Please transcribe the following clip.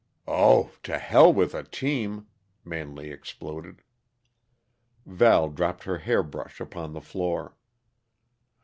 "Oh to hell with a team!" Manley exploded. Val dropped her hairbrush upon the floor.